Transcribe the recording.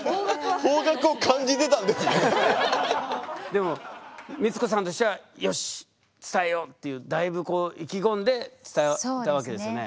でも光子さんとしてはよし伝えようっていうだいぶ意気込んで伝えたわけですよね。